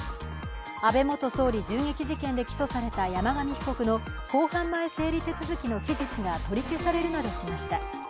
安倍元総理銃撃事件で起訴された山上被告の公判前整理手続の期日が取り消されるなどしました。